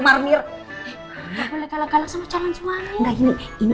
nggak boleh galak galak sama calon suami